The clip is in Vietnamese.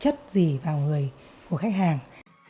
chất gì vào người của khách hàng